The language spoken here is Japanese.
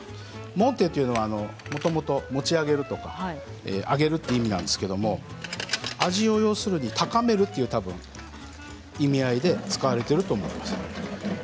モンテというのは持ち上げる、とか、上げるという意味ですが要するに味を高めるという意味合いで使われていると思います。